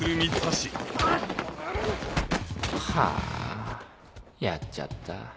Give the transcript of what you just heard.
はぁやっちゃった